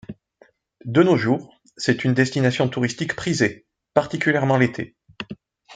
De nos jours, c'est une destination touristique prisée, particulièrement l'été.